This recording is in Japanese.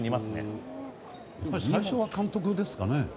最初は監督ですかね。